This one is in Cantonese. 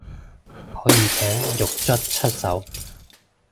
可以請獄卒出手